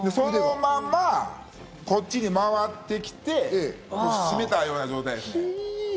そのまんまこっちに回ってきて絞めたような状態です。